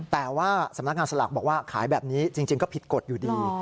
แต่ว่าสำนักงานสลากบอกว่าขายแบบนี้จริงก็ผิดกฎอยู่ดี